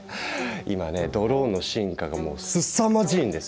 今ねドローンの進化がもうすさまじいんですよ。